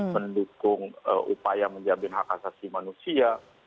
mendukung upaya menjamin hak asasi manusia